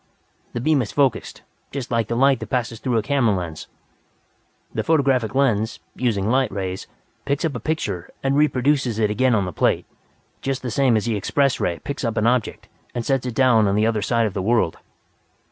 "The beam is focused, just like the light that passes through a camera lens. The photographic lens, using light rays, picks up a picture and reproduces it again on the plate just the same as the Express Ray picks up an object and sets it down on the other side of the world.